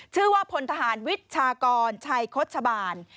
ชื่อว่าพลทหารวิชากรชัยโคชบาล